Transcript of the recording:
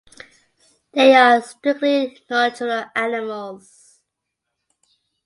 They are strictly nocturnal animals.